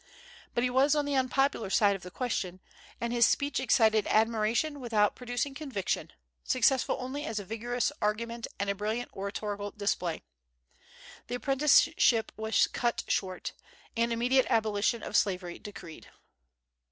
But he was on the unpopular side of the question, and his speech excited admiration without producing conviction, successful only as a vigorous argument and a brilliant oratorical display. The apprenticeship was cut short, and immediate abolition of slavery decreed.